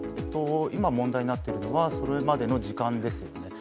今問題になっているのは、それまでの時間ですよね。